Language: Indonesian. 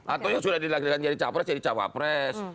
atau yang sudah dilakukan jadi capres jadi cawapres